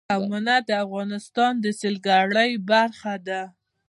قومونه د افغانستان د سیلګرۍ برخه ده.